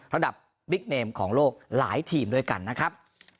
ระดับบิ๊กเนมของโลกหลายทีมด้วยกันนะครับ